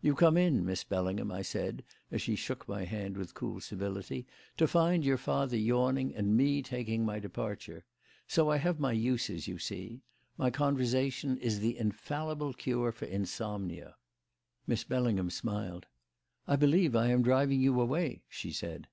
"You come in, Miss Bellingham," I said as she shook my hand with cool civility, "to find your father yawning and me taking my departure. So I have my uses, you see. My conversation is the infallible cure for insomnia." Miss Bellingham smiled. "I believe I am driving you away," she said.